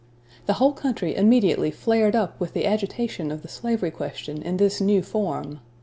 The whole country immediately flared up with the agitation of the slavery question in this new form.